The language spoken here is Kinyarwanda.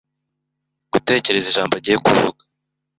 gutekereza ijambo agiye kuvuga